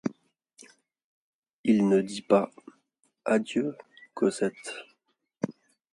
Il ne dit pas : Adieu, Cosette.